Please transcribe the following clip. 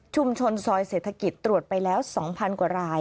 ซอยเศรษฐกิจตรวจไปแล้ว๒๐๐กว่าราย